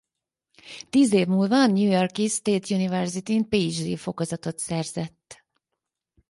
Tíz év múlva a New York-i State Universityn PhD fokozatot szerzett.